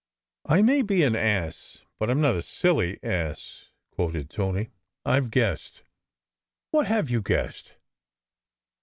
" I may be an ass, but I m not a silly ass, " quoted Tony. "I ve guessed." "What have you guessed?"